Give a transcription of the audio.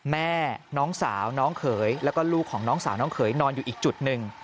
แม่น้องสาวน้องเขยแล้วก็ลูกของน้องสาวน้องเขยนอนอยู่อีกจุดหนึ่ง